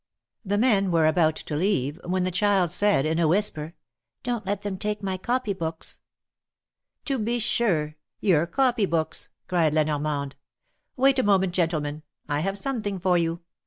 The men were about to leave, when the child said, in a whisper : Don't let them take my copy books." To be sure! Your copy books I" cried La Normande. Wait a moment, gentlemen ; I have something for you.